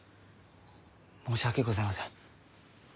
申し訳ございません。